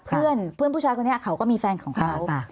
เพื่อนผู้ชายคนนี้เขาก็มีแฟนของเขา